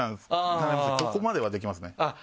ここまではできますね。